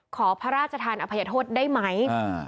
ขอพระราชทานอภัยโทษได้ไหม